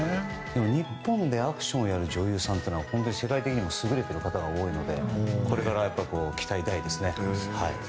日本でアクションやる女優さんって世界的に優れている方が多いのでこれから期待大ですね。